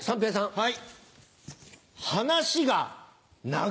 はい。